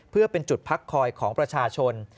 เพื่อเป็นจุดพักคอยของประชาชน